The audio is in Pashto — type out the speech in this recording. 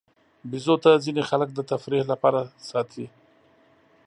بیزو ته ځینې خلک د تفریح لپاره ساتي.